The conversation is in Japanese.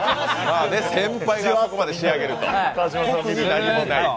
先輩があそこまで仕上げると、特に何もない。